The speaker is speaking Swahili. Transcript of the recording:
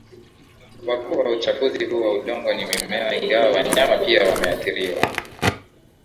wakuu wa uchafuzi huu wa udongo ni mimea Ingawa wanyama pia wameathiriwa